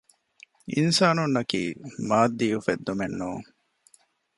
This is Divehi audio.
އިންސާނުންނަކީ މާއްދީ އުފެއްދުމެއްނޫން